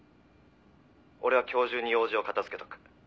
「俺は今日中に用事を片付けておく」